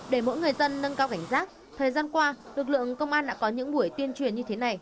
để mỗi người dân nâng cao cảnh giác thời gian qua lực lượng công an đã có những buổi tuyên truyền như thế này